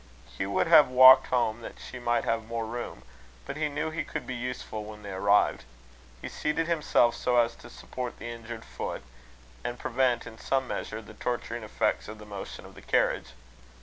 Hugh would have walked home that she might have more room, but he knew he could be useful when they arrived. He seated himself so as to support the injured foot, and prevent, in some measure, the torturing effects of the motion of the carriage.